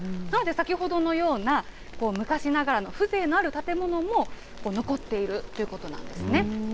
なので、先ほどのような昔ながらの風情のある建物も残っているということなんですね。